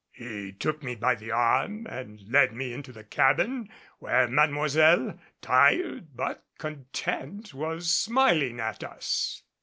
He took me by the arm and led me into the cabin, where Mademoiselle, tired but content, was smiling at us.